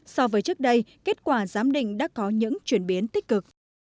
so với trước đây kết quả giám định đã có những chuyển biến tích cực